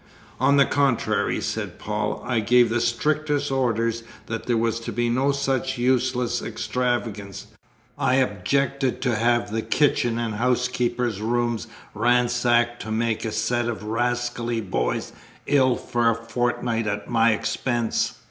"On the contrary," said Paul, "I gave the strictest orders that there was to be no such useless extravagance. I objected to have the kitchen and housekeeper's room ransacked to make a set of rascally boys ill for a fortnight at my expense!"